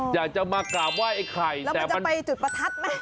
อยากจะมากราบไหว้ไอ้ไข่แล้วจะไปจุดประทัดไหม